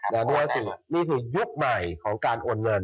และนี่คือยุคใหม่ของการโอนเงิน